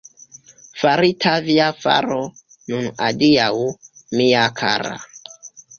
Farita via faro, nun adiaŭ, mia kara!